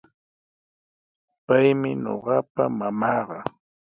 Paymi ñuqapa mamaaqa.